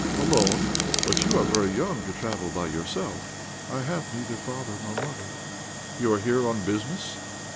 "Alone! but you are very young to travel by yourself." "I have neither father nor mother." "You are here on business?"